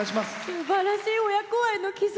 すばらしい親子愛の絆！